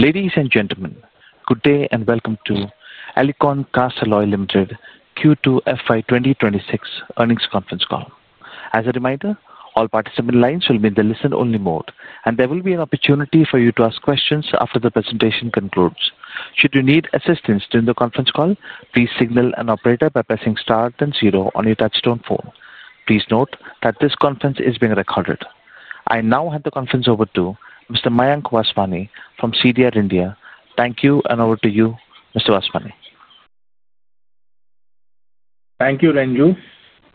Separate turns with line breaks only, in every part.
Ladies and gentlemen, good day and welcome to Alicon Castalloy Limited Q2 FY 2026 earnings conference call. As a reminder, all participant lines will be in the listen-only mode, and there will be an opportunity for you to ask questions after the presentation concludes. Should you need assistance during the conference call, please signal an operator by pressing star then zero on your touchstone phone. Please note that this conference is being recorded. I now hand the conference over to Mr. Mayank Vasmani from CDR India. Thank you, and over to you, Mr. Vasmani.
Thank you, Renju.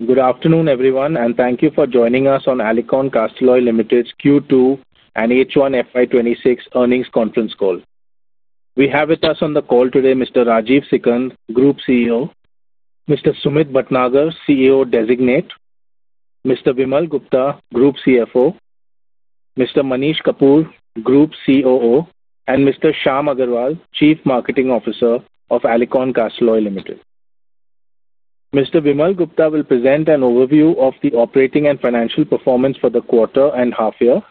Good afternoon, everyone, and thank you for joining us on Alicon Castalloy Limited's Q2 and H1 FY 2026 earnings conference call. We have with us on the call today Mr. Rajeev Sikand, Group CEO, Mr. Sumit Bhatnagar, CEO Designate, Mr. Vimal Gupta, Group CFO, Mr. Manish Kapoor, Group COO, and Mr. Shyam Agarwal, Chief Marketing Officer of Alicon Castalloy Limited. Mr. Vimal Gupta will present an overview of the operating and financial performance for the quarter and half-year.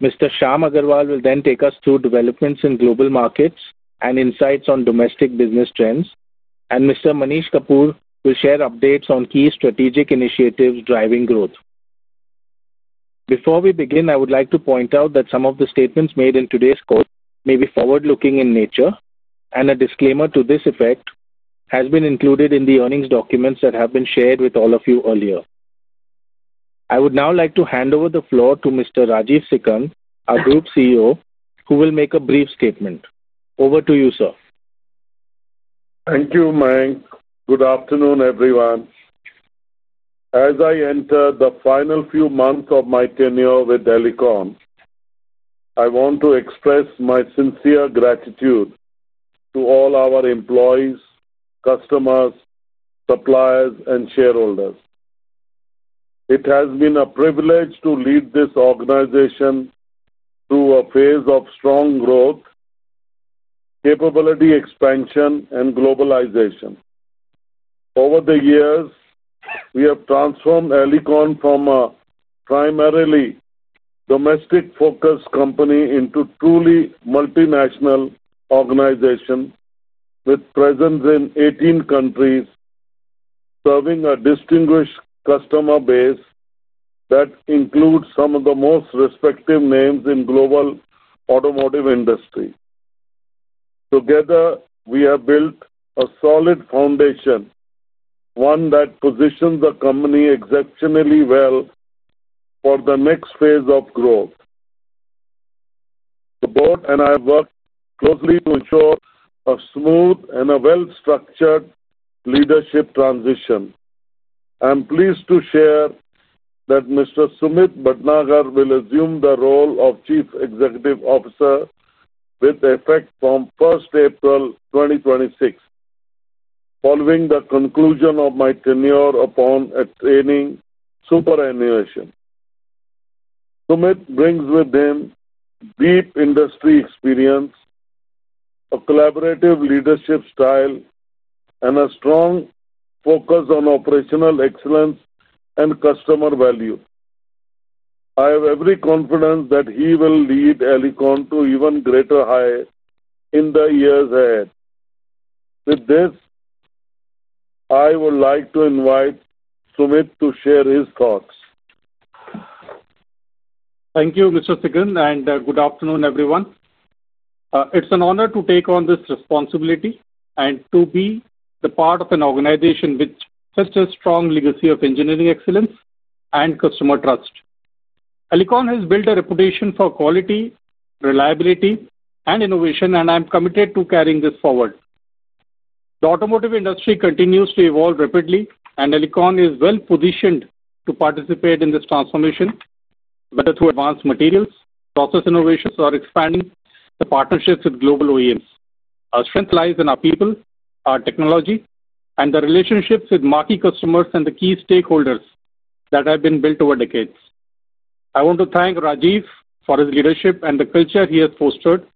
Mr. Shyam Agarwal will then take us through developments in global markets and insights on domestic business trends, and Mr. Manish Kapoor will share updates on key strategic initiatives driving growth. Before we begin, I would like to point out that some of the statements made in today's call may be forward-looking in nature, and a disclaimer to this effect has been included in the earnings documents that have been shared with all of you earlier. I would now like to hand over the floor to Mr. Rajeev Sikand, our Group CEO, who will make a brief statement. Over to you, sir.
Thank you, Mayank. Good afternoon, everyone. As I enter the final few months of my tenure with Alicon, I want to express my sincere gratitude to all our employees, customers, suppliers, and shareholders. It has been a privilege to lead this organization through a phase of strong growth, capability expansion, and globalization. Over the years, we have transformed Alicon from a primarily domestic-focused company into a truly multinational organization with presence in 18 countries, serving a distinguished customer base that includes some of the most respected names in the global automotive industry. Together, we have built a solid foundation, one that positions the company exceptionally well for the next phase of growth. The board and I have worked closely to ensure a smooth and a well-structured leadership transition. I'm pleased to share that Mr. Sumit Bhatnagar will assume the role of Chief Executive Officer with effect from 1st April 2026, following the conclusion of my tenure upon attaining superannuation. Sumit brings with him deep industry experience, a collaborative leadership style, and a strong focus on operational excellence and customer value. I have every confidence that he will lead Alicon to even greater heights in the years ahead. With this, I would like to invite Sumit to share his thoughts.
Thank you, Mr. Sikand, and good afternoon, everyone. It's an honor to take on this responsibility and to be part of an organization which has a strong legacy of engineering excellence and customer trust. Alicon has built a reputation for quality, reliability, and innovation, and I'm committed to carrying this forward. The automotive industry continues to evolve rapidly, and Alicon is well-positioned to participate in this transformation, whether through advanced materials, process innovations, or expanding the partnerships with global OEMs. Our strength lies in our people, our technology, and the relationships with marquee customers and the key stakeholders that have been built over decades. I want to thank Rajeev for his leadership and the culture he has fostered,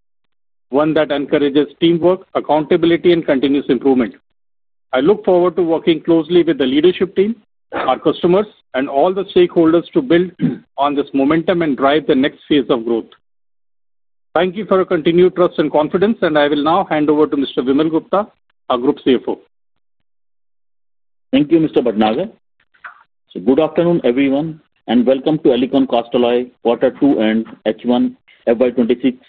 one that encourages teamwork, accountability, and continuous improvement. I look forward to working closely with the leadership team, our customers, and all the stakeholders to build on this momentum and drive the next phase of growth. Thank you for your continued trust and confidence, and I will now hand over to Mr. Vimal Gupta, our Group CFO.
Thank you, Mr. Bhatnagar. Good afternoon, everyone, and welcome to Alicon Castalloy, quarter two and H1 FY 2026 earnings conference call.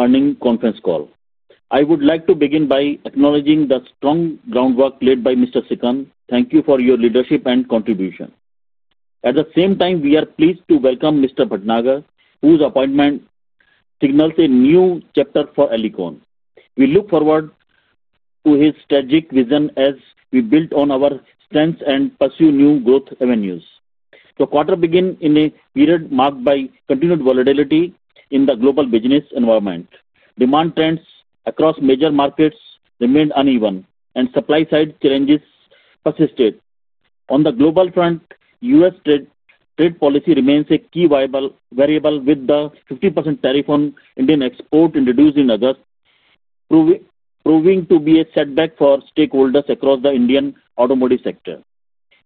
I would like to begin by acknowledging the strong groundwork laid by Mr. Sikand. Thank you for your leadership and contribution. At the same time, we are pleased to welcome Mr. Bhatnagar, whose appointment signals a new chapter for Alicon. We look forward to his strategic vision as we build on our strengths and pursue new growth avenues. The quarter began in a period marked by continued volatility in the global business environment. Demand trends across major markets remained uneven, and supply-side challenges persisted. On the global front, U.S. trade policy remains a key variable, with the 50% tariff on Indian export introduced in August proving to be a setback for stakeholders across the Indian automotive sector.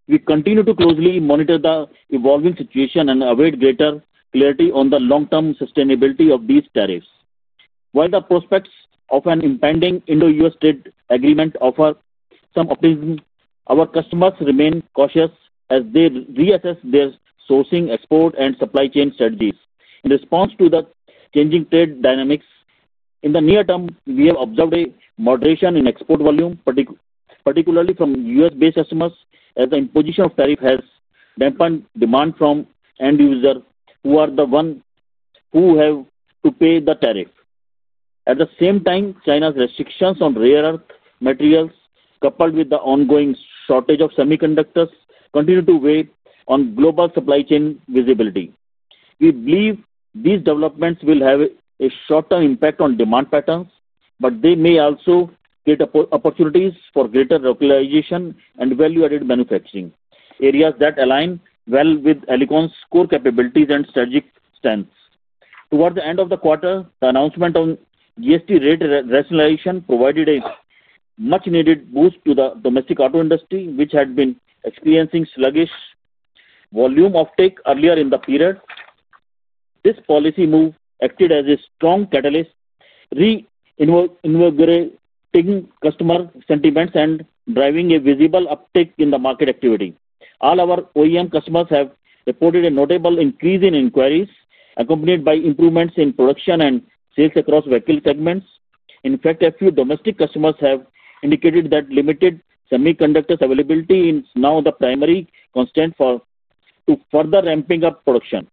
We continue to closely monitor the evolving situation and await greater clarity on the long-term sustainability of these tariffs. While the prospects of an impending Indo-U.S. trade agreement offer some optimism, our customers remain cautious as they reassess their sourcing, export, and supply chain strategies. In response to the changing trade dynamics, in the near term, we have observed a moderation in export volume, particularly from U.S.-based customers, as the imposition of tariffs has dampened demand from end users, who are the ones who have to pay the tariff. At the same time, China's restrictions on rare earth materials, coupled with the ongoing shortage of semiconductors, continue to weigh on global supply chain visibility. We believe these developments will have a short-term impact on demand patterns, but they may also create opportunities for greater localization and value-added manufacturing areas that align well with Alicon's core capabilities and strategic strengths. Toward the end of the quarter, the announcement of GST rate rationalization provided a much-needed boost to the domestic auto industry, which had been experiencing sluggish volume uptake earlier in the period. This policy move acted as a strong catalyst, reinvigorating customer sentiments and driving a visible uptake in the market activity. All our OEM customers have reported a notable increase in inquiries, accompanied by improvements in production and sales across vehicle segments. In fact, a few domestic customers have indicated that limited semiconductor availability is now the primary constraint to further ramping up production.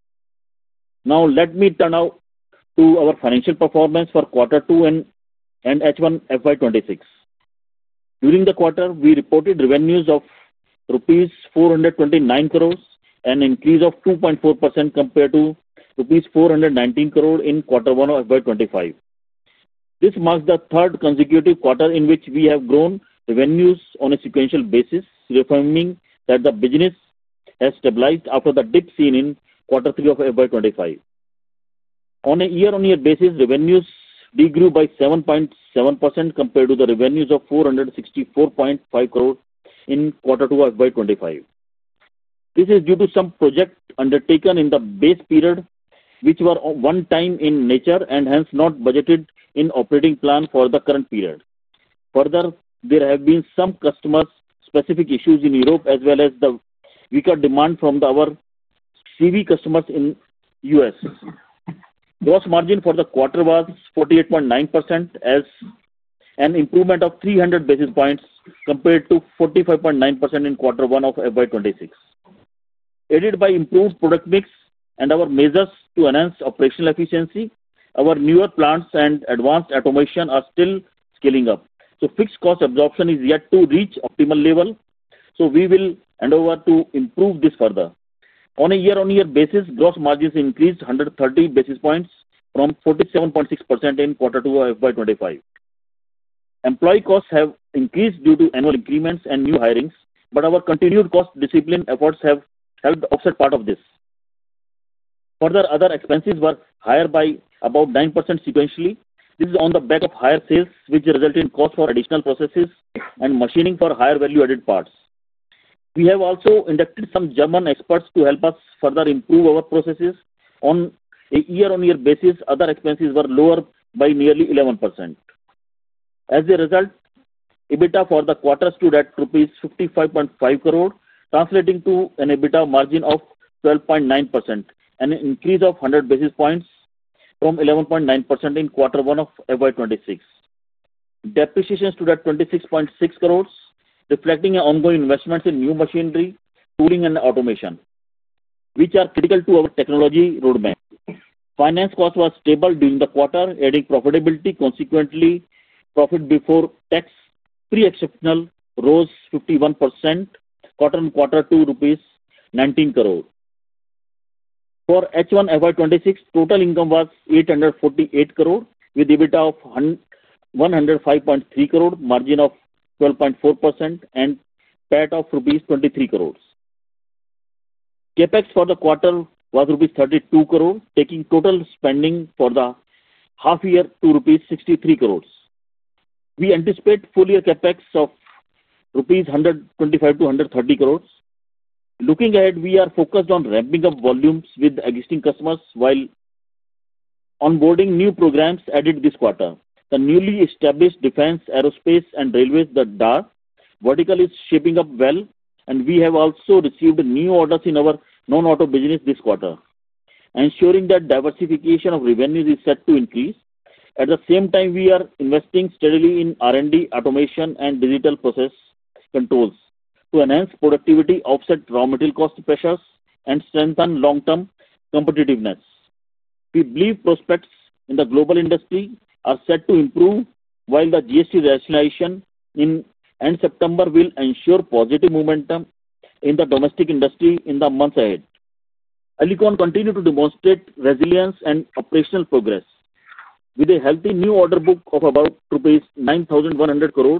Now, let me turn now to our financial performance for quarter two and H1 FY 2026. During the quarter, we reported revenues of rupees 429 crores and an increase of 2.4% compared to rupees 419 crores in quarter one of FY 2025. This marks the third consecutive quarter in which we have grown revenues on a sequential basis, affirming that the business has stabilized after the dip seen in quarter three of FY 2025. On a year-on-year basis, revenues did grow by 7.7% compared to the revenues of 464.5 crores in quarter two of FY 2025. This is due to some projects undertaken in the base period, which were one-time in nature and hence not budgeted in the operating plan for the current period. Further, there have been some customer-specific issues in Europe, as well as the weaker demand from our CV customers in the U.S. Gross margin for the quarter was 48.9%, as an improvement of 300 basis points compared to 45.9% in quarter one of FY 2026. Aided by improved product mix and our measures to enhance operational efficiency, our newer plants and advanced automation are still scaling up. Fixed cost absorption is yet to reach the optimal level, so we will hand over to improve this further. On a year-on-year basis, gross margins increased 130 basis points from 47.6% in quarter two of FY 2025. Employee costs have increased due to annual increments and new hirings, but our continued cost-discipline efforts have helped offset part of this. Further, other expenses were higher by about 9% sequentially. This is on the back of higher sales, which resulted in costs for additional processes and machining for higher value-added parts. We have also inducted some German experts to help us further improve our processes. On a year-on-year basis, other expenses were lower by nearly 11%. As a result, EBITDA for the quarter stood at 55.5 crores rupees, translating to an EBITDA margin of 12.9%, an increase of 100 basis points from 11.9% in quarter one of FY 2026. Depreciation stood at 26.6 crores, reflecting ongoing investments in new machinery, tooling, and automation, which are critical to our technology roadmap. Finance costs were stable during the quarter, adding profitability consequently. Profit before tax pre-exceptional rose 51%. Quarter and quarter two, 19 crores. For H1 FY 2026, total income was 848 crores, with EBITDA of 105.3 crores, margin of 12.4%, and PET of rupees 23 crores. CapEx for the quarter was rupees 32 crores, taking total spending for the half-year to rupees 63 crores. We anticipate full-year Capex of rupees 125 crores -130 crores. Looking ahead, we are focused on ramping up volumes with existing customers while onboarding new programs added this quarter. The newly established defense, aerospace, and railways, the DAR vertical, is shaping up well, and we have also received new orders in our non-auto business this quarter, ensuring that diversification of revenues is set to increase. At the same time, we are investing steadily in R&D, automation, and digital process controls. To enhance productivity, offset raw material cost pressures, and strengthen long-term competitiveness, we believe prospects in the global industry are set to improve while the GST rationalization in September will ensure positive momentum in the domestic industry in the months ahead. Alicon continues to demonstrate resilience and operational progress. With a healthy new order book of about rupees 9,100 crore,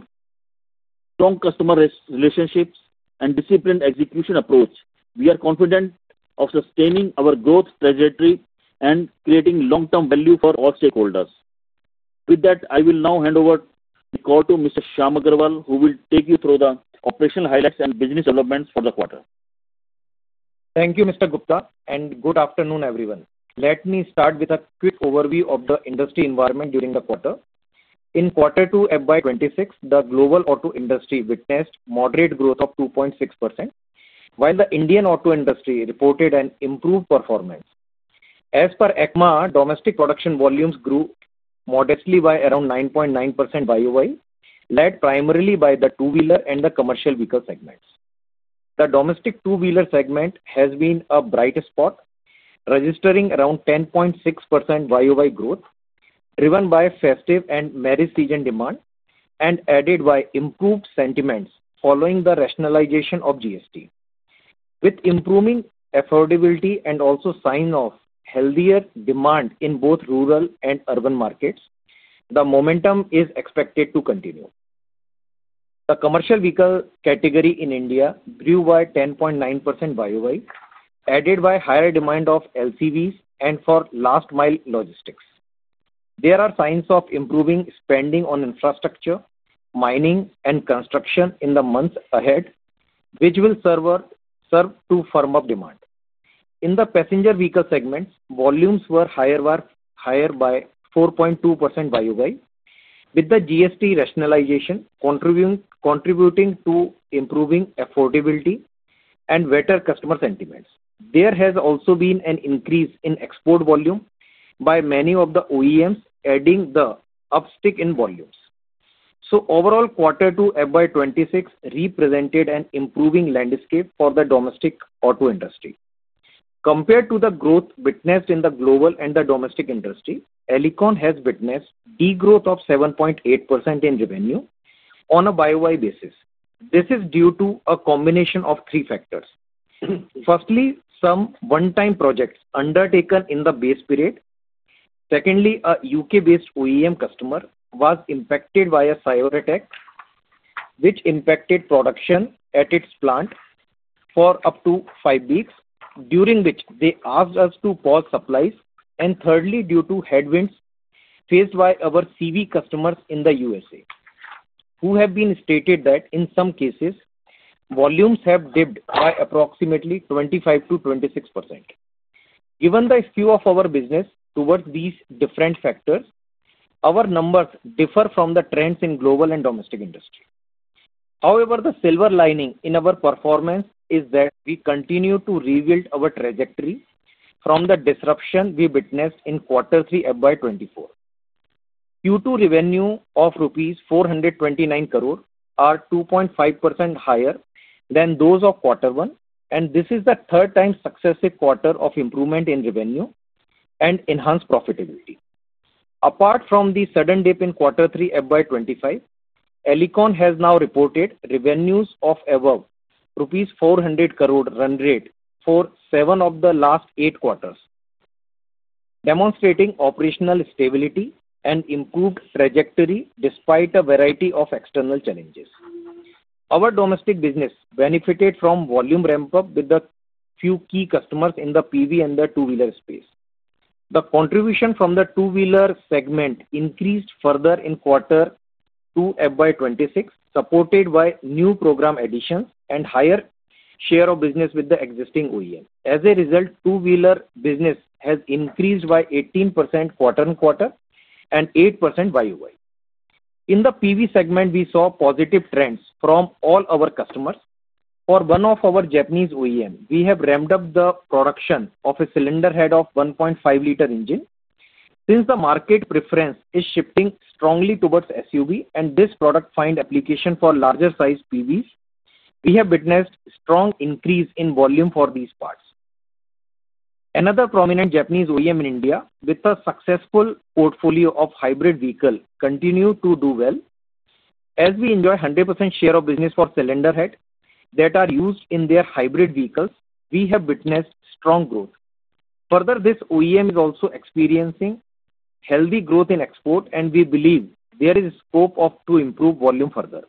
strong customer relationships, and disciplined execution approach, we are confident of sustaining our growth trajectory and creating long-term value for all stakeholders. With that, I will now hand over the call to Mr. Shyam Agarwal, who will take you through the operational highlights and business developments for the quarter.
Thank you, Mr. Gupta, and good afternoon, everyone. Let me start with a quick overview of the industry environment during the quarter. In quarter two of FY 2026, the global auto industry witnessed moderate growth of 2.6%, while the Indian auto industry reported an improved performance. As per ECMA, domestic production volumes grew modestly by around 9.9% year-over-year, led primarily by the two-wheeler and the commercial vehicle segments. The domestic two-wheeler segment has been a bright spot, registering around 10.6% YoY growth, driven by festive and merry season demand and aided by improved sentiments following the rationalization of GST. With improving affordability and also signs of healthier demand in both rural and urban markets, the momentum is expected to continue. The commercial vehicle category in India grew by 10.9% YoY, aided by higher demand of LCVs and for last-mile logistics. There are signs of improving spending on infrastructure, mining, and construction in the months ahead, which will serve to firm up demand. In the passenger vehicle segment, volumes were higher by 4.2% YoY, with the GST rationalization contributing to improving affordability and better customer sentiments. There has also been an increase in export volume by many of the OEMs, adding the upstick in volumes. Overall, quarter two of FY 2026 represented an improving landscape for the domestic auto industry. Compared to the growth witnessed in the global and the domestic industry, Alicon has witnessed a degrowth of 7.8% in revenue on a YoY basis. This is due to a combination of three factors. Firstly, some one-time projects undertaken in the base period. Secondly, a U.K.-based OEM customer was impacted by a cyber attack, which impacted production at its plant for up to five weeks, during which they asked us to pause supplies. Thirdly, due to headwinds faced by our CV customers in the U.S., who have stated that in some cases, volumes have dipped by approximately 25%-26%. Given the skew of our business towards these different factors, our numbers differ from the trends in global and domestic industry. However, the silver lining in our performance is that we continue to rebuild our trajectory from the disruption we witnessed in quarter three of FY 2024. Q2 revenue of 429 crores rupees is 2.5% higher than those of quarter one, and this is the third successive quarter of improvement in revenue and enhanced profitability. Apart from the sudden dip in quarter three of FY 2025, Alicon has now reported revenues of above rupees 400 crore run rate for seven of the last eight quarters, demonstrating operational stability and improved trajectory despite a variety of external challenges. Our domestic business benefited from volume ramp-up with a few key customers in the PV and the two-wheeler space. The contribution from the two-wheeler segment increased further in quarter two of FY 2026, supported by new program additions and a higher share of business with the existing OEM. As a result, two-wheeler business has increased by 18% quarter-over-quarter and 8% YoY. In the PV segment, we saw positive trends from all our customers. For one of our Japanese OEMs, we have ramped up the production of a cylinder head of 1.5L engine. Since the market preference is shifting strongly towards SUV and this product finds application for larger-sized PVs, we have witnessed a strong increase in volume for these parts. Another prominent Japanese OEM in India, with a successful portfolio of hybrid vehicles, continues to do well. As we enjoy a 100% share of business for cylinder heads that are used in their hybrid vehicles, we have witnessed strong growth. Further, this OEM is also experiencing healthy growth in export, and we believe there is a scope to improve volume further.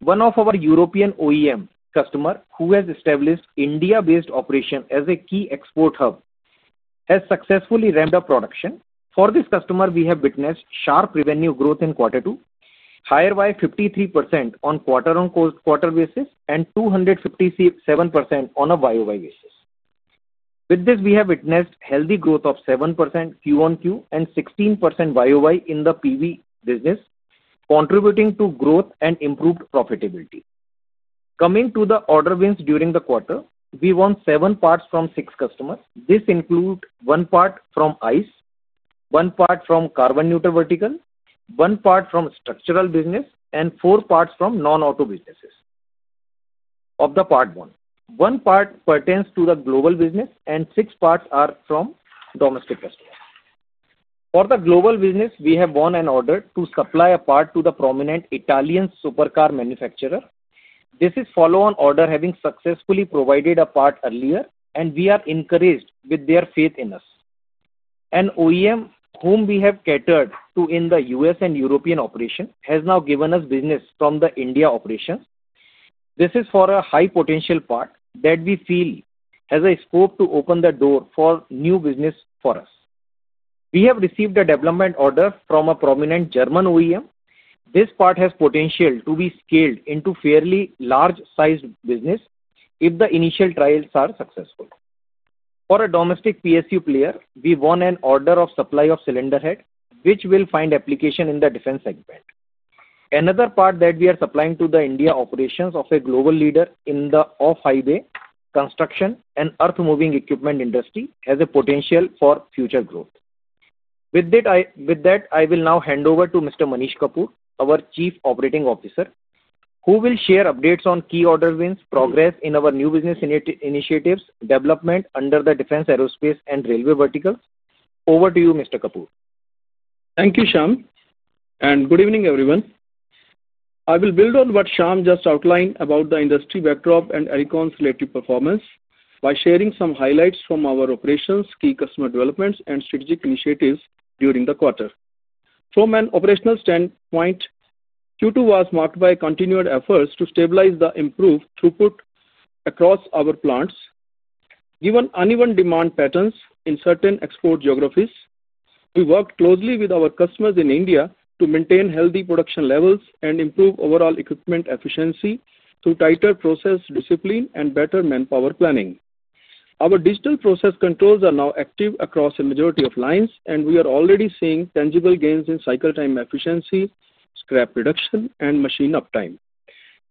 One of our European OEM customers, who has established an India-based operation as a key export hub, has successfully ramped up production. For this customer, we have witnessed sharp revenue growth in quarter two, higher by 53% on a quarter-on-quarter basis and 257% on a YoY basis. With this, we have witnessed a healthy growth of 7% QoQ and 16% YoY in the PV business, contributing to growth and improved profitability. Coming to the order wins during the quarter, we won seven parts from six customers. This includes one part from ICE, one part from carbon-neutral verticals, one part from structural business, and four parts from non-auto businesses of the part one. One part pertains to the global business, and six parts are from domestic customers. For the global business, we have won an order to supply a part to the prominent Italian supercar manufacturer. This is a follow-on order, having successfully provided a part earlier, and we are encouraged with their faith in us. An OEM whom we have catered to in the U.S. and European operation has now given us business from the India operations. This is for a high-potential part that we feel has a scope to open the door for new business for us. We have received a development order from a prominent German OEM. This part has potential to be scaled into fairly large-sized business if the initial trials are successful. For a domestic PSU player, we won an order of supply of cylinder heads, which will find application in the defense segment. Another part that we are supplying to the India operations of a global leader in the off-highway construction and earth-moving equipment industry has potential for future growth. With that, I will now hand over to Mr. Manish Kapoor, our Chief Operating Officer, who will share updates on key order wins, progress in our new business initiatives, and development under the defense, aerospace, and railway verticals. Over to you, Mr. Kapoor.
Thank you, Shyam, and good evening, everyone. I will build on what Shyam just outlined about the industry backdrop and Alicon's relative performance by sharing some highlights from our operations, key customer developments, and strategic initiatives during the quarter. From an operational standpoint, Q2 was marked by continued efforts to stabilize the improved throughput across our plants. Given uneven demand patterns in certain export geographies, we worked closely with our customers in India to maintain healthy production levels and improve overall equipment efficiency through tighter process discipline and better manpower planning. Our digital process controls are now active across a majority of lines, and we are already seeing tangible gains in cycle time efficiency, scrap reduction, and machine uptime.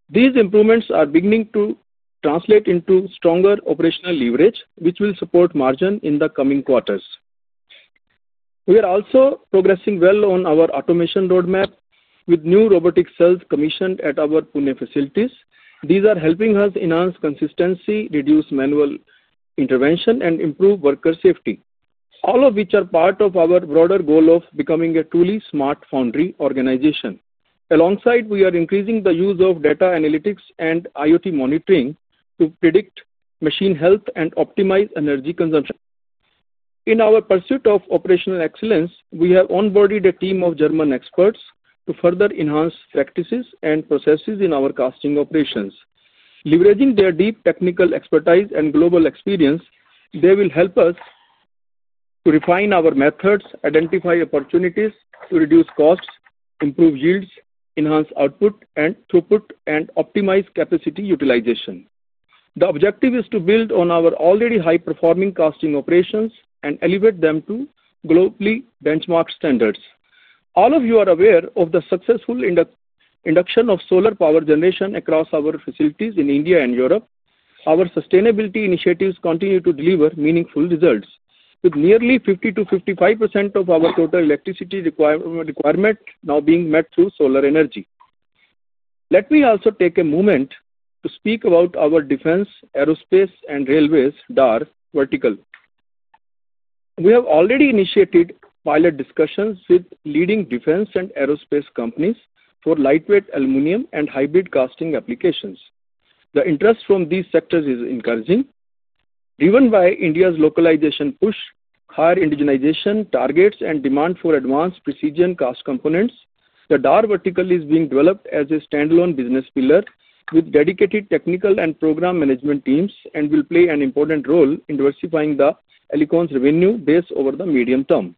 These improvements are beginning to translate into stronger operational leverage, which will support margin in the coming quarters. We are also progressing well on our automation roadmap, with new robotic cells commissioned at our Pune facilities. These are helping us enhance consistency, reduce manual intervention, and improve worker safety, all of which are part of our broader goal of becoming a truly smart foundry organization. Alongside, we are increasing the use of data analytics and IoT monitoring to predict machine health and optimize energy consumption. In our pursuit of operational excellence, we have onboarded a team of German experts to further enhance practices and processes in our casting operations. Leveraging their deep technical expertise and global experience, they will help us to refine our methods, identify opportunities to reduce costs, improve yields, enhance output and throughput, and optimize capacity utilization. The objective is to build on our already high-performing casting operations and elevate them to globally benchmark standards. All of you are aware of the successful induction of solar power generation across our facilities in India and Europe. Our sustainability initiatives continue to deliver meaningful results, with nearly 50%-55% of our total electricity requirement now being met through solar energy. Let me also take a moment to speak about our defense, aerospace, and railways DAR vertical. We have already initiated pilot discussions with leading defense and aerospace companies for lightweight aluminum and hybrid casting applications. The interest from these sectors is encouraging. Driven by India's localization push, higher indigenization targets, and demand for advanced precision cast components, the DAR vertical is being developed as a standalone business pillar with dedicated technical and program management teams and will play an important role in diversifying Alicon's revenue base over the medium term.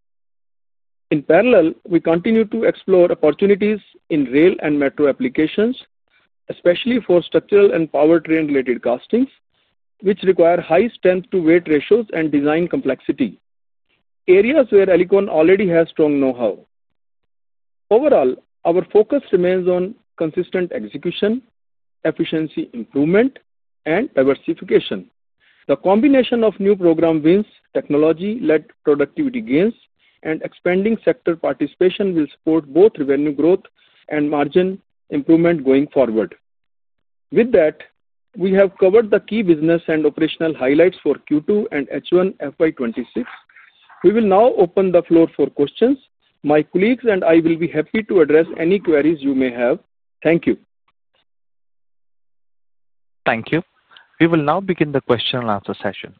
In parallel, we continue to explore opportunities in rail and metro applications, especially for structural and power train-related castings, which require high strength-to-weight ratios and design complexity, areas where Alicon already has strong know-how. Overall, our focus remains on consistent execution, efficiency improvement, and diversification. The combination of new program wins, technology-led productivity gains, and expanding sector participation will support both revenue growth and margin improvement going forward. With that, we have covered the key business and operational highlights for Q2 and H1 of FY 2026. We will now open the floor for questions. My colleagues and I will be happy to address any queries you may have. Thank you.
Thank you. We will now begin the question-and-answer session.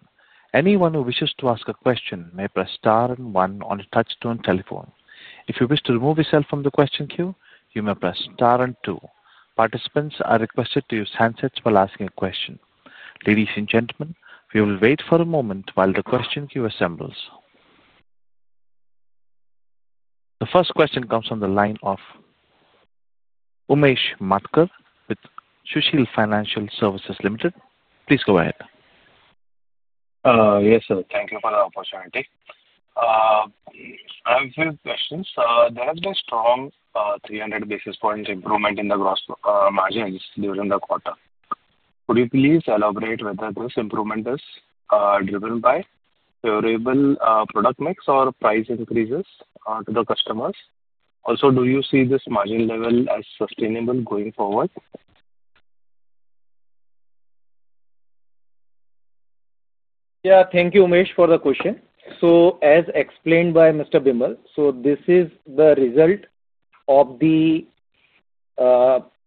Anyone who wishes to ask a question may press star and one on the touchstone telephone. If you wish to remove yourself from the question queue, you may press Star and Two. Participants are requested to use handsets while asking a question. Ladies and gentlemen, we will wait for a moment while the question queue assembles. The first question comes from the line of Umesh Matkar with Sushil Financial Services Limited. Please go ahead.
Yes, sir. Thank you for the opportunity. I have a few questions. There has been a strong 300 basis point improvement in the gross margins during the quarter. Could you please elaborate whether this improvement is driven by favorable product mix or price increases to the customers? Also, do you see this margin level as sustainable going forward?
Yeah, thank you, Umesh, for the question. As explained by Mr. Vimal, this is the result of the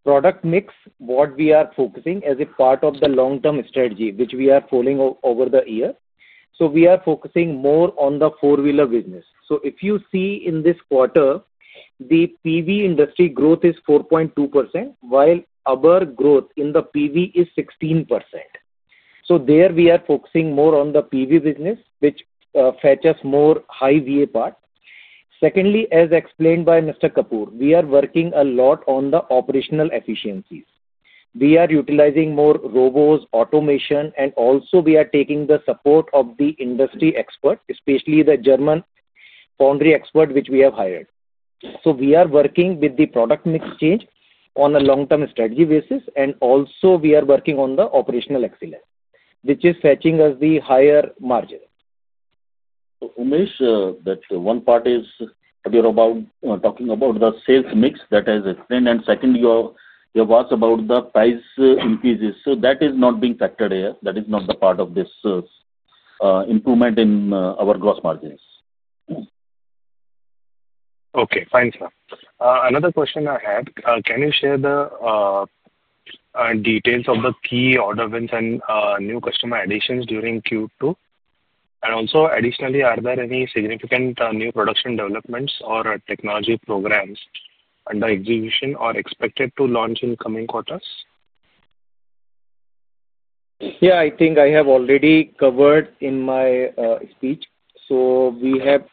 product mix, what we are focusing on as a part of the long-term strategy which we are following over the years. We are focusing more on the four-wheeler business. If you see in this quarter, the PV industry growth is 4.2%, while other growth in the PV is 16%. There we are focusing more on the PV business, which fetches more high-VA part. Secondly, as explained by Mr. Kapoor, we are working a lot on the operational efficiencies. We are utilizing more robots, automation, and also we are taking the support of the industry expert, especially the German foundry expert, which we have hired. We are working with the product mix change on a long-term strategy basis, and also we are working on the operational excellence, which is fetching us the higher margin.
Umesh, that one part is you are talking about the sales mix that has explained, and second, your words about the price increases. That is not being factored here. That is not the part of this improvement in our gross margins.
Okay, fine, sir. Another question I had: can you share the details of the key order wins and new customer additions during Q2? Also, additionally, are there any significant new production developments or technology programs under execution or expected to launch in coming quarters?
Yeah, I think I have already covered in my speech. We have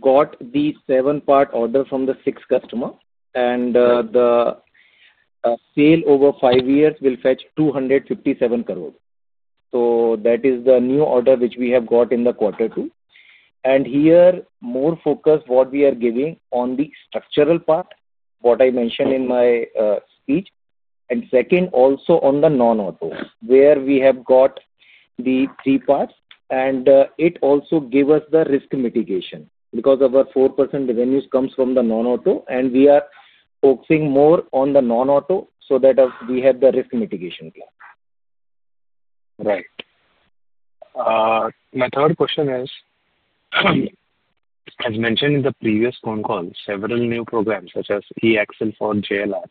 got the seven-part order from the six customers, and the sale over five years will fetch 257 crore. That is the new order which we have got in quarter two. Here, more focus is on what we are giving on the structural part, what I mentioned in my speech, and second, also on the non-auto, where we have got the three parts. It also gives us the risk mitigation because of our 4% revenues coming from the non-auto, and we are focusing more on the non-auto so that we have the risk mitigation plan.
Right. My third question is, as mentioned in the previous phone call, several new programs such as e-axle for JLR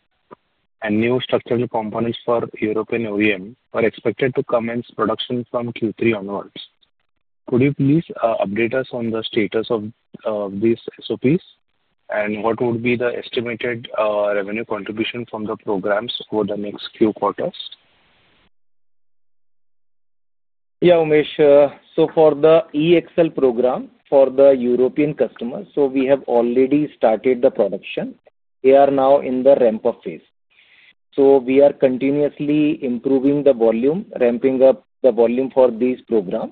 and new structural components for European OEM are expected to commence production from Q3 onwards. Could you please update us on the status of these SOPs and what would be the estimated revenue contribution from the programs for the next few quarters?
Yeah, Umesh. For the e-axle program for the European customers, we have already started the production. They are now in the ramp-up phase. We are continuously improving the volume, ramping up the volume for these programs.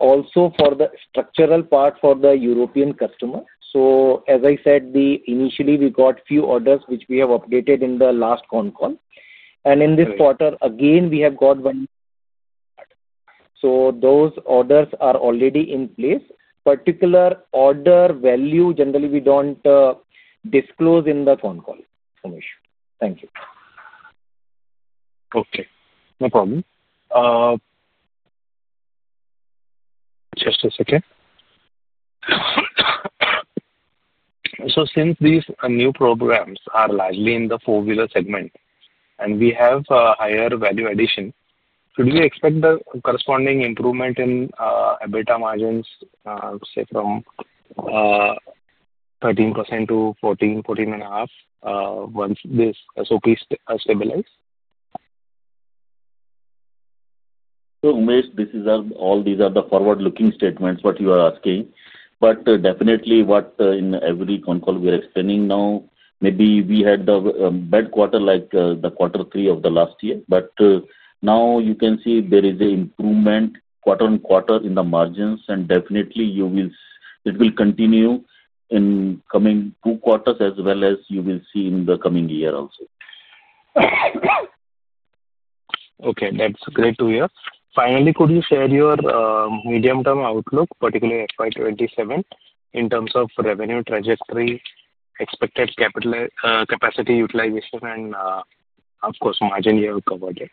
Also, for the structural part for the European customers, as I said, initially, we got a few orders which we have updated in the last phone call. In this quarter, again, we have got one. Those orders are already in place. Particular order value, generally, we do not disclose in the phone call, Umesh. Thank you.
Okay, no problem. Just a second. Since these new programs are largely in the four-wheeler segment and we have higher value addition, should we expect the corresponding improvement in EBITDA margins, say, from 13% to 14%-14.5% once these SOPs stabilize?
Umesh, all these are the forward-looking statements what you are asking. Definitely, in every phone call we are explaining now, maybe we had the bad quarter like the quarter three of the last year. Now you can see there is an improvement quarter on quarter in the margins, and definitely, it will continue in the coming two quarters as well as you will see in the coming year also.
Okay, that's great to hear. Finally, could you share your medium-term outlook, particularly FY 2027, in terms of revenue trajectory, expected capital capacity utilization, and, of course, margin? You have covered it.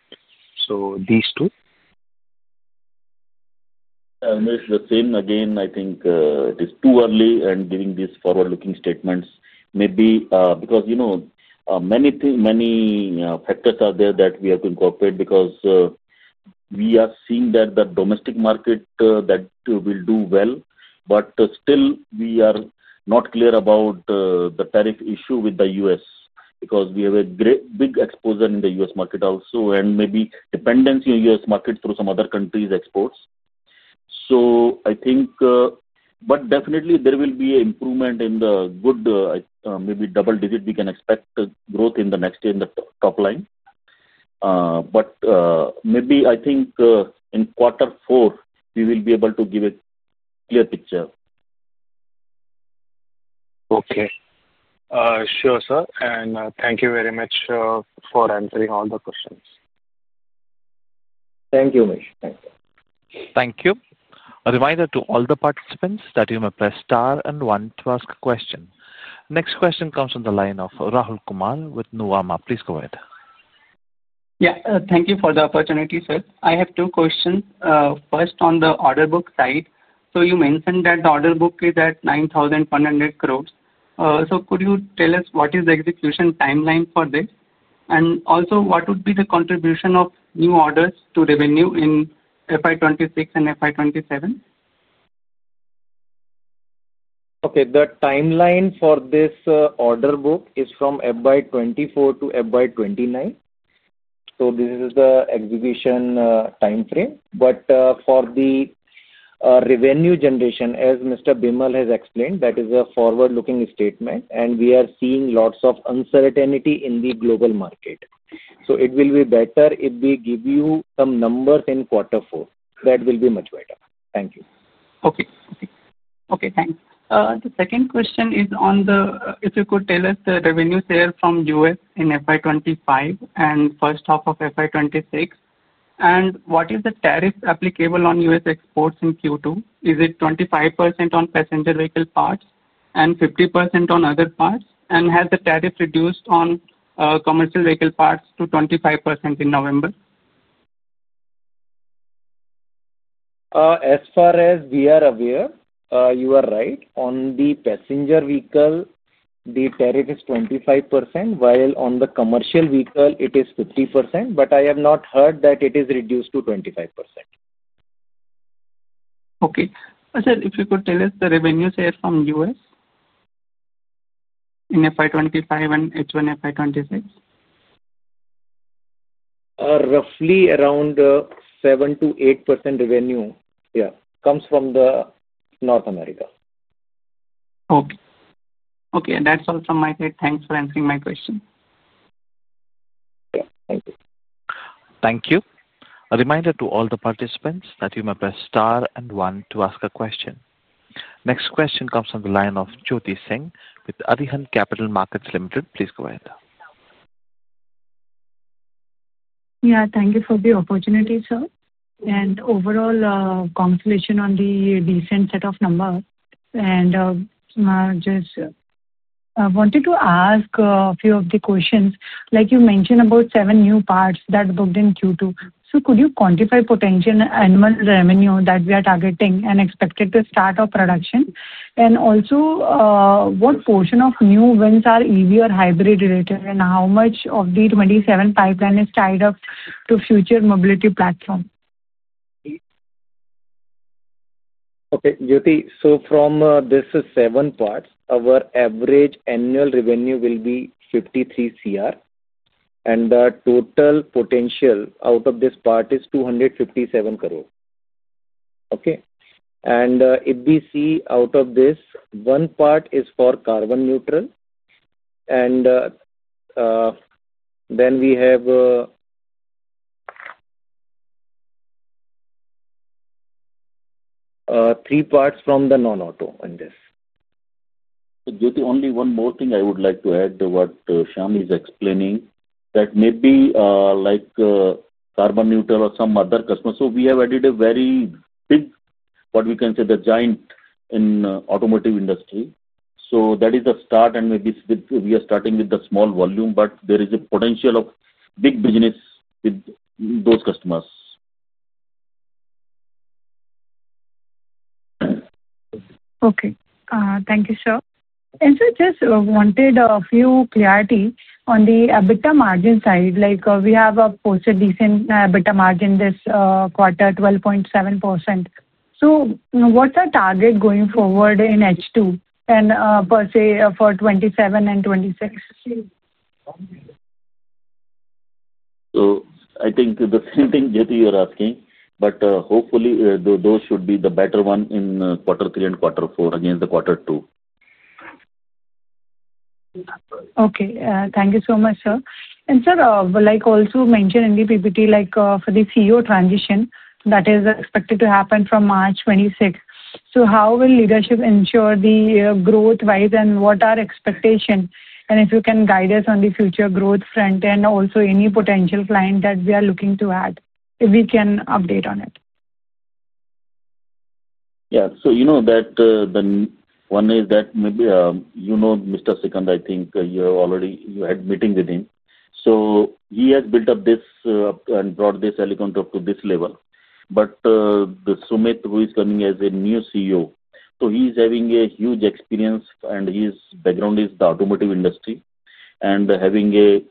So these two?
Umesh, the same. Again, I think it is too early in giving these forward-looking statements. Maybe because many factors are there that we have to incorporate because we are seeing that the domestic market will do well. Still, we are not clear about the tariff issue with the U.S. because we have a big exposure in the U.S. market also and maybe dependence in the U.S. market through some other countries' exports. I think, but definitely, there will be an improvement in the good, maybe double-digit we can expect growth in the next year in the top line. Maybe I think in quarter four, we will be able to give a clear picture.
Okay. Sure, sir. Thank you very much for answering all the questions.
Thank you, Umesh.
Thank you. A reminder to all the participants that you may press star and one to ask a question. Next question comes from the line of Rahul Kumar with Nuvama. Please go ahead.
Yeah, thank you for the opportunity, sir. I have two questions. First, on the order book side, you mentioned that the order book is at 9,100 crores. Could you tell us what is the execution timeline for this? Also, what would be the contribution of new orders to revenue in FY 2026 and FY 2027?
Okay, the timeline for this order `book is from FY 2024-FY 2029. This is the execution timeframe. For the revenue generation, as Mr. Vimal has explained, that is a forward-looking statement, and we are seeing lots of uncertainty in the global market. It will be better if we give you some numbers in quarter four. That will be much better. Thank you.
Okay. Okay, thanks. The second question is on the, if you could tell us the revenue share from U.S. in FY 2025 and first half of FY 2026. What is the tariff applicable on U.S. exports in Q2? Is it 25% on passenger vehicle parts and 50% on other parts? Has the tariff reduced on commercial vehicle parts to 25% in November?
As far as we are aware, you are right. On the passenger vehicle, the tariff is 25%, while on the commercial vehicle, it is 50%. I have not heard that it is reduced to 25%.
Okay. Sir, if you could tell us the revenue share from U.S. in FY 25 and H1 FY 26?
Roughly around 7-8% revenue, yeah, comes from North America.
Okay. Okay. That's all from my side. Thanks for answering my question.
Thank you. A reminder to all the participants that you may press star and one to ask a question. Next question comes from the line of Jyoti Singh with Arihan Capital Markets Limited. Please go ahead.
Yeah, thank you for the opportunity, sir. Overall, congratulations on the decent set of numbers. I just wanted to ask a few of the questions. Like you mentioned about seven new parts that are booked in Q2. Could you quantify potential annual revenue that we are targeting and expected to start our production? Also, what portion of new wins are EV or hybrid related, and how much of the 27 pipeline is tied up to future mobility platform?
Okay, Jyoti, so from these seven parts, our average annual revenue will be 53 crore, and the total potential out of this part is 257 crore. Okay? If we see out of this, one part is for carbon neutral, and then we have three parts from the non-auto in this.
Jyoti, only one more thing I would like to add to what Shyam is explaining, that maybe like carbon neutral or some other customers. We have added a very big, what we can say, the giant in the automotive industry. That is the start, and maybe we are starting with the small volume, but there is a potential of big business with those customers.
Okay. Thank you, sir. And sir, just wanted a few clarity on the EBITDA margin side. We have posted decent EBITDA margin this quarter, 12.7%. What is our target going forward in H2 and per se for 2027 and 2026?
I think the same thing, Jyoti, you're asking, but hopefully, those should be the better one in quarter three and quarter four against the quarter two.
Okay. Thank you so much, sir. Like also mentioned in the PPT, for the CEO transition, that is expected to happen from March 2026. How will leadership ensure the growth-wise, and what are expectations? If you can guide us on the future growth front and also any potential client that we are looking to add, if we can update on it.
Yeah. You know that one is that maybe you know Mr. Sikand, I think you had a meeting with him. He has built up this and brought this helicopter up to this level. Sumit, who is coming as a new CEO, is having a huge experience, and his background is the automotive industry and having a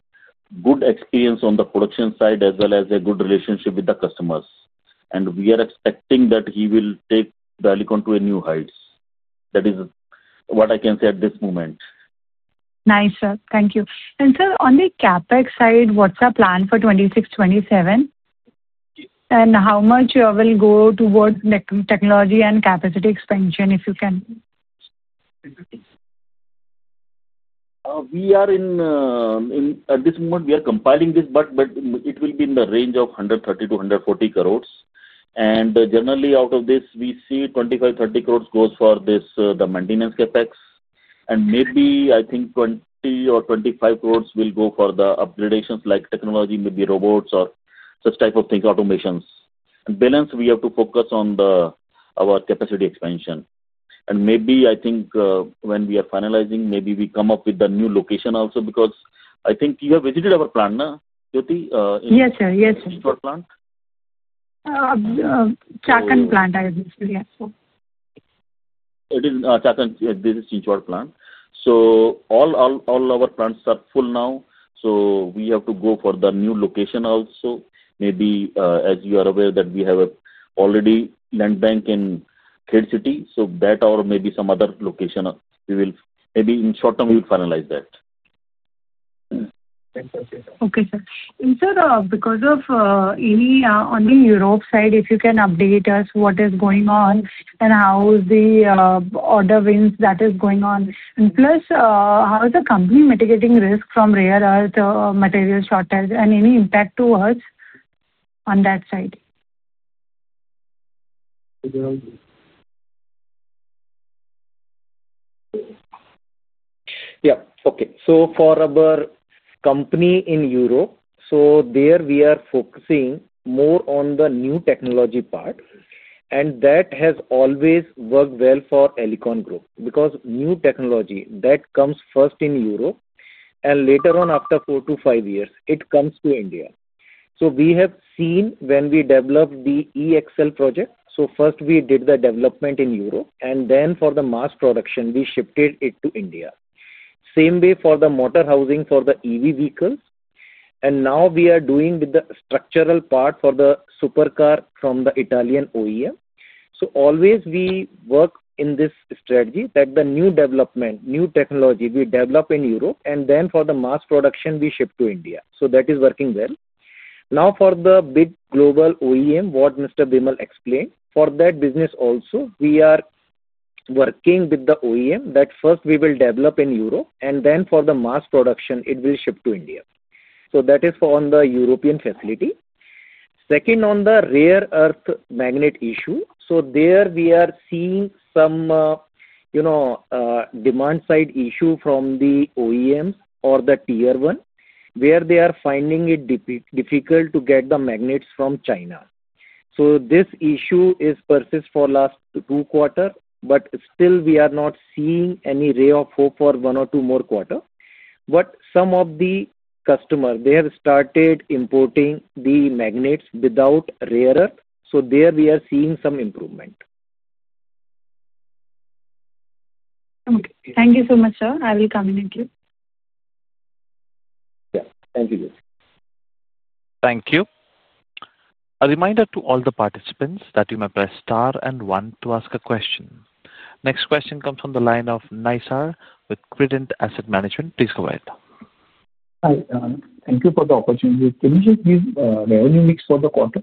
good experience on the production side as well as a good relationship with the customers. We are expecting that he will take the helicopter to new heights. That is what I can say at this moment.
Nice, sir. Thank you. Sir, on the CapEx side, what is our plan for 2026, 2027? How much will go towards technology and capacity expansion, if you can?
We are in at this moment, we are compiling this, but it will be in the range of 130 crores-140 crores. Generally, out of this, we see 25 crores- 30 crores goes for the maintenance CapEx. Maybe, I think, 20 crores or 25 crores will go for the upgradations like technology, maybe robots or such type of thing, automations. Balance, we have to focus on our capacity expansion. Maybe, I think, when we are finalizing, maybe we come up with the new location also because I think you have visited our plant, Jyoti?
Yes, sir. Yes, sir.
Which plant?
Chakan plant, I have visited, yes.
It is Chakan. This is Chinchwad Plant. All our plants are full now. We have to go for the new location also. Maybe, as you are aware, we have already land bank in Khed City. That or maybe some other location, maybe in short term, we will finalize that.
Okay, sir. Sir, because of any on the Europe side, if you can update us what is going on and how the order wins that is going on. Plus, how is the company mitigating risk from rare earth material shortage and any impact to us on that side?
Yeah. Okay. So for our company in Europe, there we are focusing more on the new technology part, and that has always worked well for Alicon Group because new technology that comes first in Europe and later on, after four to five years, it comes to India. We have seen when we developed the e-axle project. First, we did the development in Europe, and then for the mass production, we shifted it to India. Same way for the motor housing for the EV vehicles. Now we are doing with the structural part for the supercar from the Italian OEM. We always work in this strategy that the new development, new technology we develop in Europe, and then for the mass production, we ship to India. That is working well. Now, for the big global OEM, what Mr. Vimal explained, for that business also, we are working with the OEM that first we will develop in Europe, and then for the mass production, it will ship to India. That is for the European facility. Second, on the rare earth magnet issue, there we are seeing some demand-side issue from the OEMs or the tier one where they are finding it difficult to get the magnets from China. This issue has persisted for the last two quarters, but still we are not seeing any ray of hope for one or two more quarters. Some of the customers have started importing the magnets without rare earth. There we are seeing some improvement.
Okay. Thank you so much, sir. I will come in in a few.
Yeah. Thank you, Jyoti.
Thank you. A reminder to all the participants that you may press star and one to ask a question. Next question comes from the line of Naysar with Credent Asset Management. Please go ahead.
Hi, Shyam. Thank you for the opportunity. Can you just give revenue mix for the quarter?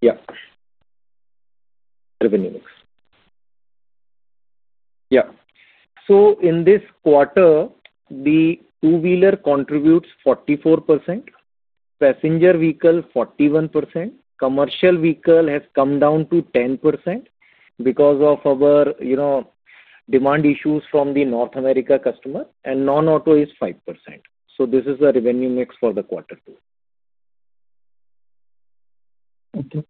Yeah. Revenue mix. Yeah. In this quarter, the two-wheeler contributes 44%, passenger vehicle 41%, commercial vehicle has come down to 10% because of our demand issues from the North America customer, and non-auto is 5%. This is the revenue mix for the quarter two.
Okay.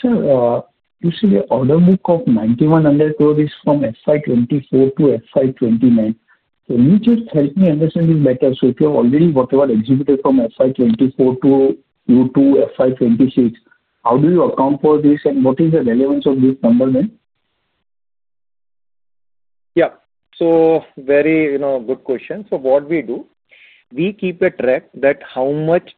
Sir, you see the order book of 9,100 crores is from FY 2024-FY 2029. You just help me understand this better. If you have already whatever exhibited from FY 2024 to Q2, FY 2026, how do you account for this, and what is the relevance of this number then?
Yeah. Very good question. What we do, we keep a track of how much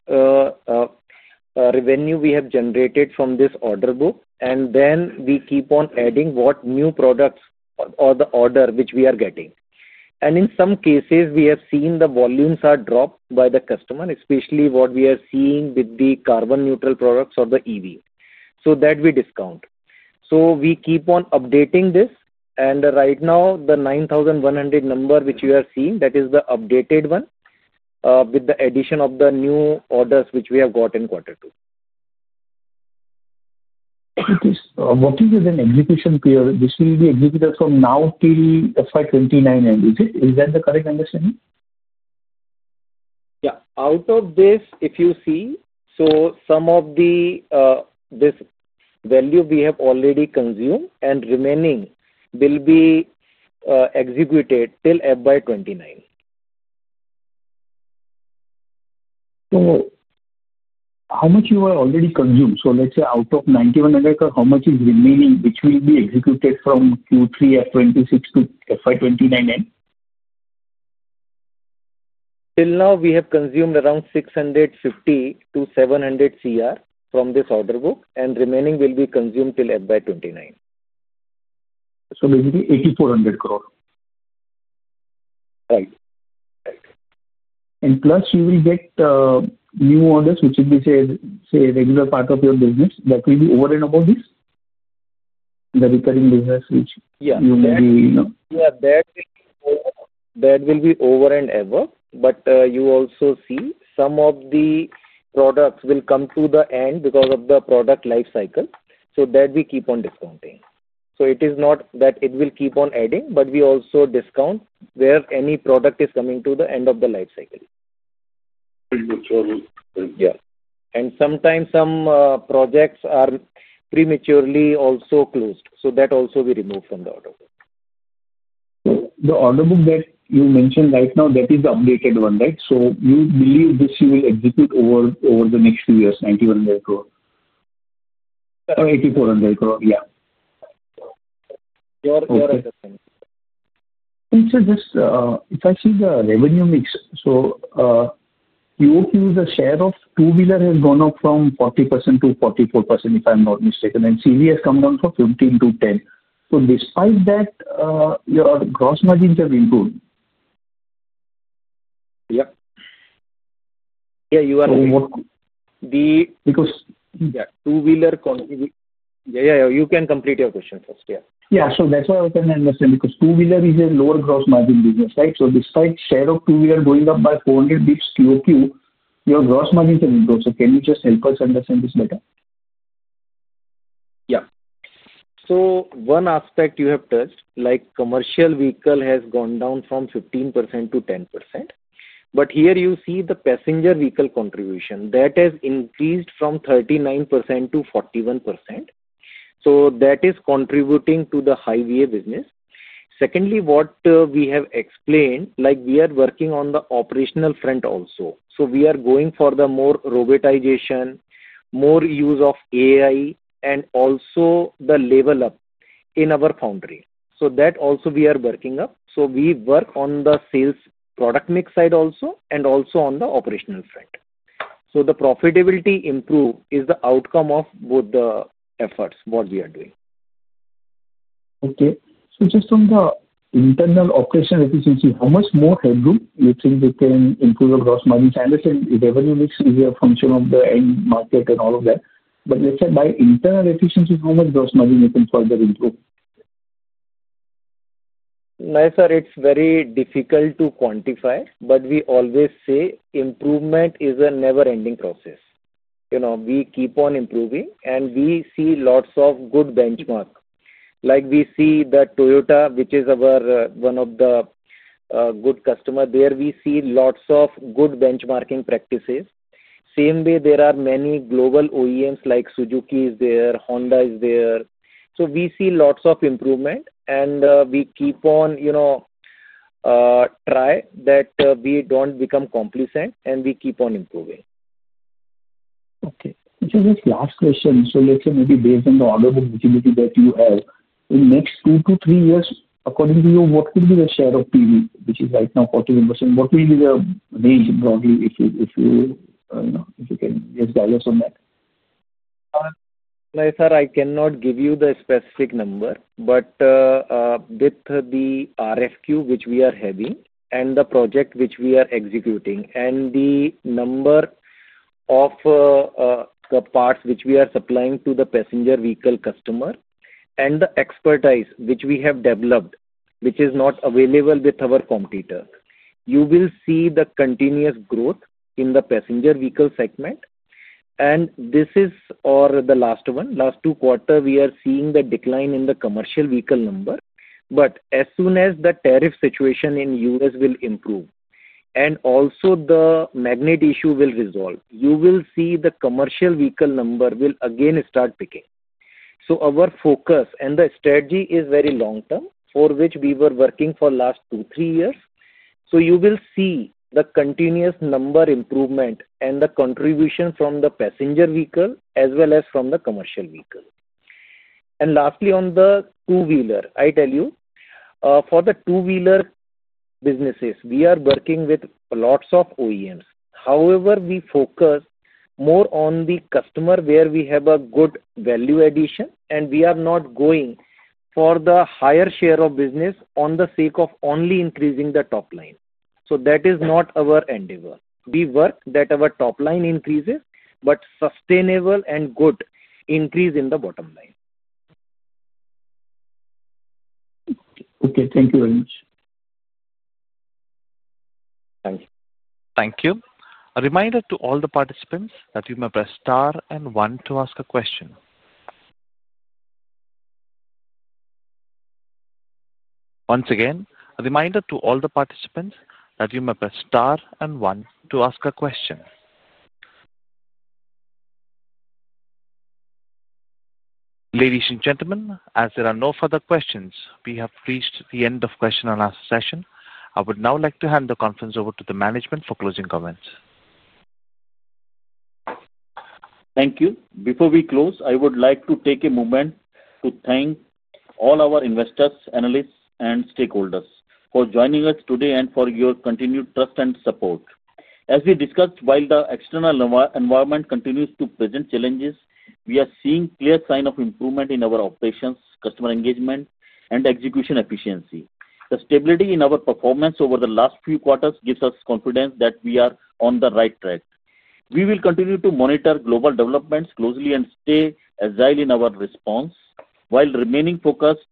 revenue we have generated from this order book, and then we keep on adding what new products or the orders which we are getting. In some cases, we have seen the volumes are dropped by the customer, especially what we are seeing with the carbon neutral products or the EV. That we discount. We keep on updating this. Right now, the 9,100 crores number which you are seeing, that is the updated one with the addition of the new orders which we have got in quarter two.
Okay. So working with an execution period, this will be executed from now until FY 2029 end. Is that the correct understanding?
Yeah. Out of this, if you see, some of this value we have already consumed and remaining will be executed until FY 2029.
How much have you already consumed? Out of 9,100 crores, how much is remaining, which will be executed from Q3 FY 2026-FY 2029 end?
Untl now, we have consumed around 650 crores-700 crores from this order book, and remaining will be consumed until FY 2029.
Basically, INR 8,400 crore.
Right. Right.
Plus, you will get new orders, which is, say, a regular part of your business that will be over and above this. The recurring business, which you may be.
Yeah. That will be over and above. You also see some of the products will come to the end because of the product life cycle. We keep on discounting that. It is not that it will keep on adding, but we also discount where any product is coming to the end of the life cycle.
Pretty much all.
Yeah. Sometimes some projects are prematurely also closed. That also we remove from the order book.
The order book that you mentioned right now, that is the updated one, right? You believe this you will execute over the next few years, 9,100 crores? Or 8,400 crores, yeah.
You're right.
Sir, just if I see the revenue mix, you use a share of two-wheeler has gone up from 40% to 44%, if I'm not mistaken, and CV has come down from 15% to 10%. Despite that, your gross margins have improved. Yeah, yeah, yeah. You can complete your question first, yeah. Yeah. That is why I was trying to understand because two-wheeler is a lower gross margin business, right? Despite share of two-wheeler going up by 400 basis points to Q2, your gross margins have improved. Can you just help us understand this better?
Yeah. One aspect you have touched, like commercial vehicle has gone down from 15% to 10%. Here you see the passenger vehicle contribution that has increased from 39% to 41%. That is contributing to the high-tier business. Secondly, what we have explained, like we are working on the operational front also. We are going for more robotization, more use of AI, and also the level up in our foundry. That also we are working up. We work on the sales product mix side also and also on the operational front. The profitability improved is the outcome of both the efforts, what we are doing.
Okay. So just on the internal operational efficiency, how much more headroom do you think you can improve your gross margins? I understand revenue mix is a function of the end market and all of that. But let's say by internal efficiency, how much gross margin you can further improve?
Naysar, it's very difficult to quantify, but we always say improvement is a never-ending process. We keep on improving, and we see lots of good benchmarks. Like we see the Toyota, which is one of the good customers. There we see lots of good benchmarking practices. Same way, there are many global OEMs like Suzuki is there, Honda is there. So we see lots of improvement, and we keep on trying that we don't become complacent, and we keep on improving.
Okay. Just last question. Let's say maybe based on the order book visibility that you have, in the next two to three years, according to you, what could be the share of PV, which is right now 41%? What will be the range broadly if you can just guide us on that?
Naysar, I cannot give you the specific number, but with the RFQ, which we are having, and the project which we are executing, and the number of the parts which we are supplying to the passenger vehicle customer, and the expertise which we have developed, which is not available with our competitor, you will see the continuous growth in the passenger vehicle segment. This is the last one. Last two quarters, we are seeing the decline in the commercial vehicle number. As soon as the tariff situation in the U.S. will improve and also the magnet issue will resolve, you will see the commercial vehicle number will again start peaking. Our focus and the strategy is very long-term for which we were working for the last two, three years. You will see the continuous number improvement and the contribution from the passenger vehicle as well as from the commercial vehicle. Lastly, on the two-wheeler, I tell you, for the two-wheeler businesses, we are working with lots of OEMs. However, we focus more on the customer where we have a good value addition, and we are not going for the higher share of business on the sake of only increasing the top line. That is not our endeavor. We work that our top line increases, but sustainable and good increase in the bottom line.
Okay. Thank you very much.
Thank you.
Thank you. A reminder to all the participants that you may press star and one to ask a question. Once again, a reminder to all the participants that you may press star and one to ask a question. Ladies and gentlemen, as there are no further questions, we have reached the end of question and answer session. I would now like to hand the conference over to the management for closing comments.
Thank you. Before we close, I would like to take a moment to thank all our investors, analysts, and stakeholders for joining us today and for your continued trust and support. As we discussed, while the external environment continues to present challenges, we are seeing clear signs of improvement in our operations, customer engagement, and execution efficiency. The stability in our performance over the last few quarters gives us confidence that we are on the right track. We will continue to monitor global developments closely and stay agile in our response while remaining focused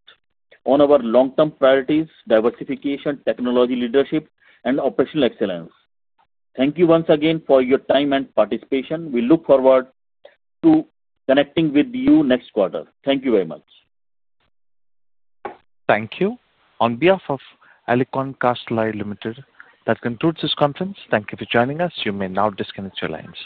on our long-term priorities, diversification, technology leadership, and operational excellence. Thank you once again for your time and participation. We look forward to connecting with you next quarter. Thank you very much.
Thank you. On behalf of Alicon Castalloy Limited, that concludes this conference. Thank you for joining us. You may now disconnect your lines.